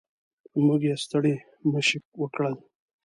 موږ ته یې ستړي مه شي وکړل.